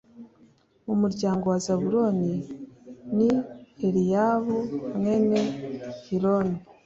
mu muryango wa Zabuloni ni Eliyabu mwene Heloni